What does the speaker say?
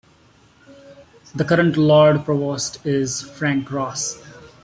The current Lord Provost is Frank Ross.